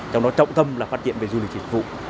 trong đó trọng tâm là phát triển về du lịch dịch vụ